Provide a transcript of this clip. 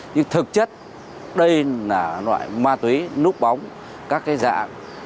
nhưng thực chất đây là loại ma túy núp bóng các cái dạng